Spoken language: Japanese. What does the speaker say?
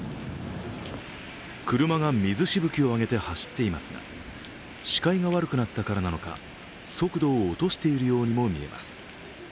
車が水しぶきを上げて走っていますが視界が悪くなったからなのか速度を落としているようにも見えます。